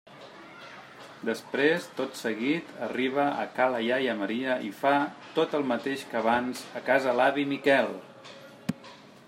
Després, tot seguit, arriba a ca la iaia Maria i fa tot el mateix que abans a casa l'avi Miquel.